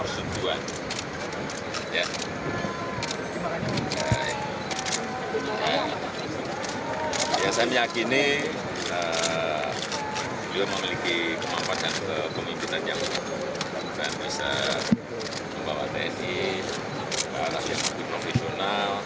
saya yakin dia memiliki kemampuan dan kemimpinan yang bagus dan bisa membawa tni ke arah yang lebih profesional